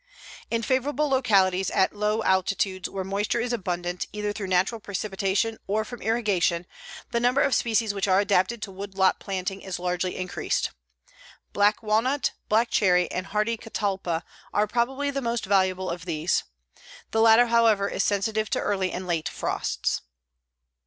In favorable localities at low altitudes, where moisture is abundant either through natural precipitation or from irrigation, the number of species which are adapted to woodlot planting is largely increased. Black walnut, black cherry and hardy catalpa are probably the most valuable of these. The latter, however, is sensitive to early and late frosts.